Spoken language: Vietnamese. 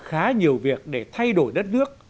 khá nhiều việc để thay đổi đất nước